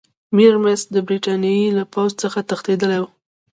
میرمست د برټانیې له پوځ څخه تښتېدلی وو.